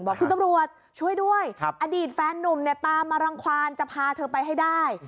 คุณตำรวจช่วยด้วยอดีตแฟนนุ่มเนี่ยตามมารังความจะพาเธอไปให้ได้